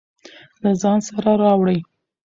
له ځان سره راوړئ.